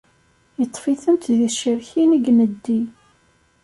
Itteṭṭef-iten di tcerktin i ineddi.